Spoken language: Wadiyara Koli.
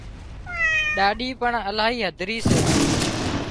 ڏاڏِي پڻ الاهي هڌري سي